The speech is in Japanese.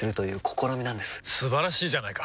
素晴らしいじゃないか！